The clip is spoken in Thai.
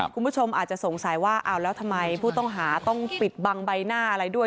คุณผู้ชมอาจจะสงสัยว่าอ้าวแล้วทำไมผู้ต้องหาต้องปิดบังใบหน้าอะไรด้วย